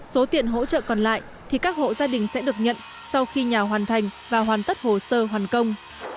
số tiền hỗ trợ còn lại thì các hộ gia đình sẽ được nhận sau khi nhà hoàn thành và hoàn tất hồ sơ hoàn công